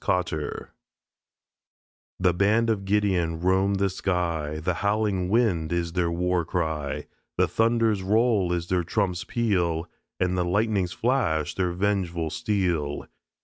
COTTER The Band of Gideon roam the sky, The howling wind is their war cry, The thunder's roll is their trump's peal, And the lightning's flash their vengeful steel.